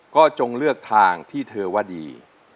ก็จงเลือกทางที่เธอว่าดี